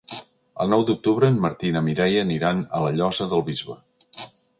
El nou d'octubre en Martí i na Mireia aniran a la Llosa del Bisbe.